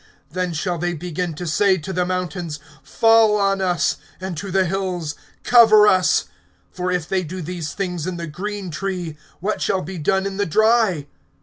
(30)Then shall they begin to say to the mountains: Fall on us; and to the hills: Cover us. (31)For if they do these things in the green tree, what shall be done in the dry?